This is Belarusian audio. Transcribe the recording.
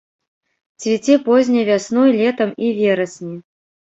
Цвіце позняй вясной, летам і верасні.